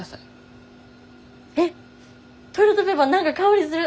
えっトイレットペーパー何か香りする！